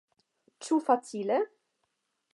Ĉu facile?